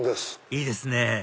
いいですね